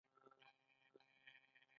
هغه باید د حقیقت د پټولو هڅه ونه کړي.